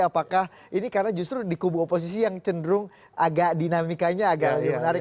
apakah ini karena justru di kubu oposisi yang cenderung agak dinamikanya agak agak menarik